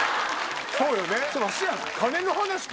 そうよね。